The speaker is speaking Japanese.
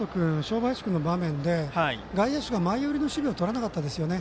林君の場面で外野手が前寄りの守備をとらなかったですよね。